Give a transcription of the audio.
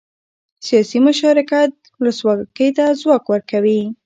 سیاسي مشارکت ولسواکۍ ته ځواک ورکوي